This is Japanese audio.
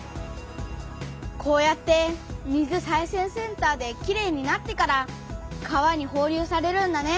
こうやって水再生センターできれいになってから川にほう流されるんだね。